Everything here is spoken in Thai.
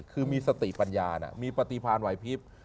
คือมีสติปัญญามีปฏิพรรณวัยพิพธิ์